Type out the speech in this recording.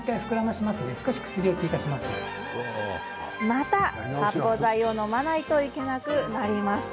また発泡剤を飲まないといけなくなります。